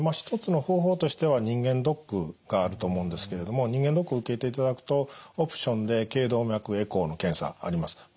一つの方法としては人間ドックがあると思うんですけれども人間ドックを受けていただくとオプションで頸動脈エコーの検査あります。